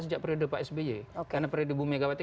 sejak periode pak sby karena periode ibu megawati